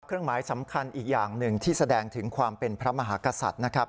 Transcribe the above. เครื่องหมายสำคัญอีกอย่างหนึ่งที่แสดงถึงความเป็นพระมหากษัตริย์นะครับ